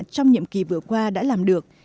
trong nhiệm kỳ vừa qua đã làm được